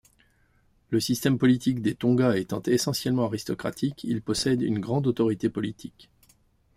Le système politique des Tonga étant essentiellement aristocratique, il possède une grande autorité politique.